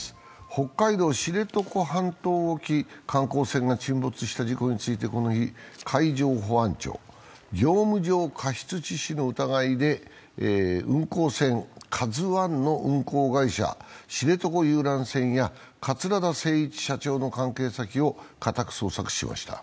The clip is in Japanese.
北海道・知床半島沖、観光船が沈没した事故についてこの日、この日、海上保安庁、業務上過失致死の疑いで運航船「ＫＡＺＵⅠ」の運航会社、知床遊覧船や桂田精一社長の関係先を家宅捜索しました。